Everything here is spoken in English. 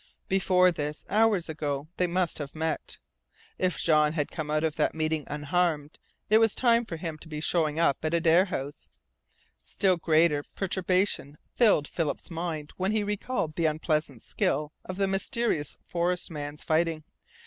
Before this, hours ago, they must have met. If Jean had come out of that meeting unharmed, it was time for him to be showing up at Adare House. Still greater perturbation filled Philip's mind when he recalled the unpleasant skill of the mysterious forest man's fighting.